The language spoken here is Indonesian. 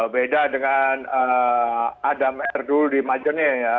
beda dengan adam erdul di majene ya